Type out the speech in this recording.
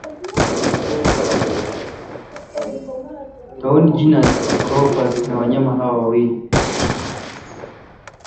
toed genus Choloepus na wanyama hawa wawili